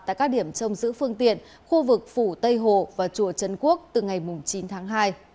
tại các điểm trong giữ phương tiện khu vực phủ tây hồ và chùa trân quốc từ ngày chín tháng hai